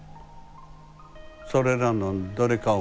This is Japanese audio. それらのどれかをね